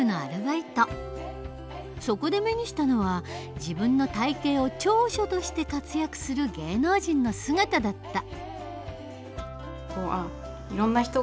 そこで目にしたのは自分の体型を長所として活躍する芸能人の姿だった。